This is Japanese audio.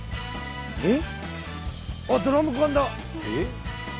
えっ？